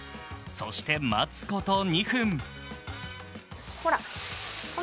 そして待つこと２分。